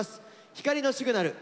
「光のシグナル」。